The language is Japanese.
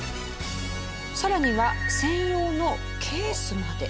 更には専用のケースまで。